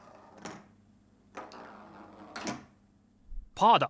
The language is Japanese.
パーだ！